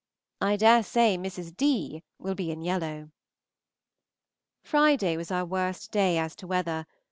I dare say Mrs. D. will be in yellow. Friday was our worst day as to weather.